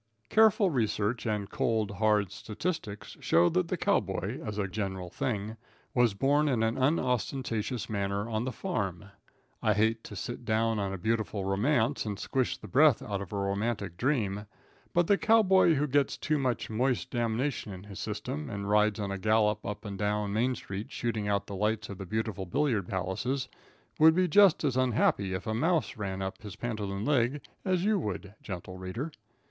Careful research and cold, hard statistics show that the cow boy, as a general thing, was born in an unostentatious manner on the farm. I hate to sit down on a beautiful romance and squash the breath out of a romantic dream; but the cow boy who gets too much moist damnation in his system, and rides on a gallop up and down Main street shooting out the lights of the beautiful billiard palaces, would be just as unhappy if a mouse ran up his pantaloon leg as you would, gentle reader.